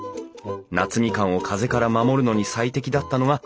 夏みかんを風から守るのに最適だったのが高い塀。